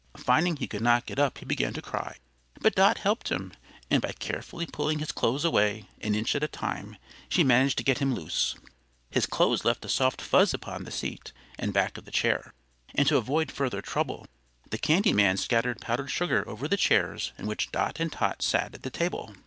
Finding he could not get up he began to cry, but Dot helped him, and by carefully pulling his clothes away, an inch at a time, she managed to get him loose. His clothes left a soft fuzz upon the seat and back of the chair, and to avoid further trouble, the candy man scattered powdered sugar over the chairs in which Dot and Tot sat at the table.